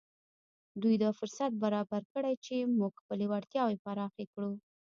دوی دا فرصت برابر کړی چې موږ خپلې وړتیاوې پراخې کړو